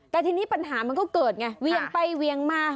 แต่ทีนี้ปัญหามันก็เกิดไงเวียงไปเวียงมา